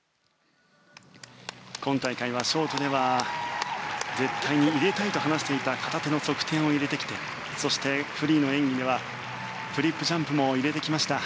今大会はショートでは絶対に入れたいと話していた片手の側転を入れてきてそしてフリーの演技ではフリップジャンプも入れてきました。